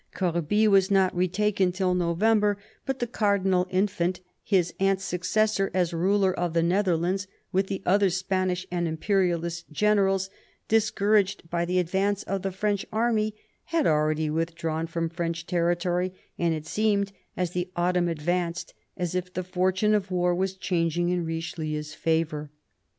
Corbie was not retaken till November, but the Cardinal THE CARDINAL 259 Infant, his aunt's successor as ruler of the Netherlands, with the other Spanish and Imperialist generals, discour aged by the advance of the French army, had already with drawn from French territory ; and it seemed, as the autumn advanced, as if the fortune of war was changing in Riche lieu's favour.